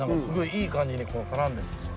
いい感じに絡んでんですよ。